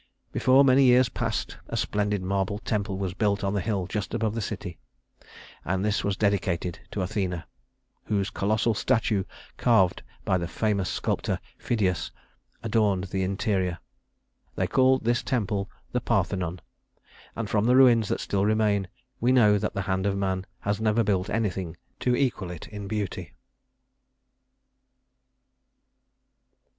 Before many years passed a splendid marble temple was built on the hill just above the city, and this was dedicated to Athena, whose colossal statue, carved by the famous sculptor Phidias, adorned the interior. They called this temple the Parthenon, and from the ruins that still remain we know that the hand of man has never built anything to equal it in beauty.